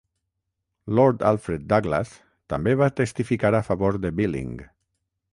Lord Alfred Douglas també va testificar a favor de Billing.